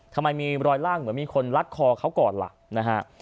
ทำไมมีรอยล่างอื่นไม่มีคนหลักขอเบื่อเธอที่สะดุลักษณะ